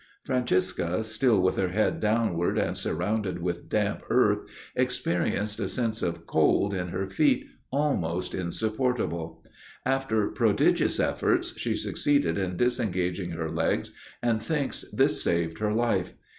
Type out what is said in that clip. Francisca, still with her head downward, and surrounded with damp earth, experienced a sense of cold in her feet almost insupportable; after prodigious efforts, she succeeded in disengaging her legs, and thinks this saved her life.